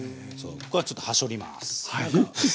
ちょっとはしょります。